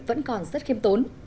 vẫn còn rất khiêm tốn